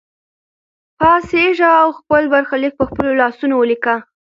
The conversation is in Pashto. پاڅېږه او خپل برخلیک په خپلو لاسونو ولیکه.